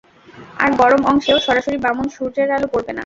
আর গরম অংশেও সরাসরি বামন সূর্যের আলো পরবে না।